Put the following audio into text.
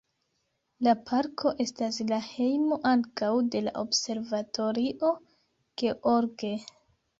La parko estas la hejmo ankaŭ de la Observatorio George.